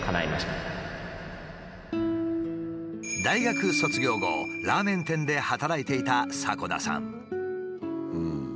大学卒業後ラーメン店で働いていた迫田さん。